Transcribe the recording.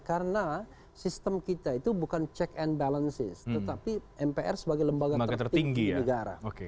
karena sistem kita itu bukan check and balances tetapi mpr sebagai lembaga tertinggi negara